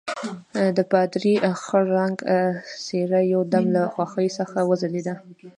د پادري خړ رنګه څېره یو دم له خوښۍ څخه وځلېدله.